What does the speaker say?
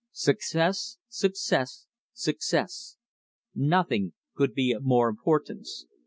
Success, success, success. Nothing could be of more importance.